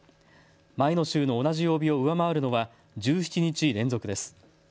前の週の同じ曜日を上回るのは１７日連続です。